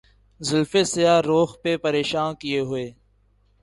زلفِ سیاہ رُخ پہ پریشاں کیے ہوئے